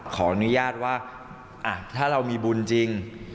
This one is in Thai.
ขออนุญาตว่าถ้าเรามีบุญจริง